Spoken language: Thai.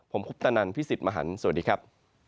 ผมคุปตะนันพี่สิทธิ์มหันฯสวัสดีครับ